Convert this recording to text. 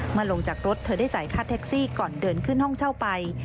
ลงจากรถเธอได้จ่ายค่าแท็กซี่ก่อนเดินขึ้นห้องเช่าไป